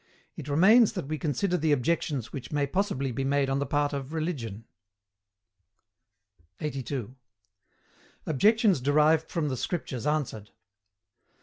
It remains that we consider the objections which may possibly be made on the part of Religion. 82. OBJECTIONS DERIVED FROM THE SCRIPTURES ANSWERED.